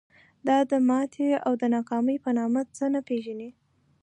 دا د ماتې او ناکامۍ په نامه څه نه پېژني.